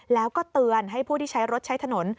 แล้วก็เตือนให้ผู้ที่ใช้รถใช้ถนน